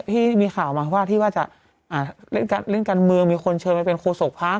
ที่มีข่าวมาว่าที่ว่าจะอ่าเล่นการเล่นการเมืองมีคนเชิญมาเป็นโครสกพรรค